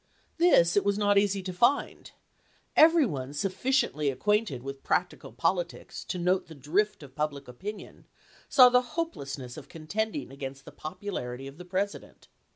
This it was not easy to find. Every one sufficiently acquainted with practical politics to note the drift of public opinion saw the hopelessness of contending against the popularity of the President.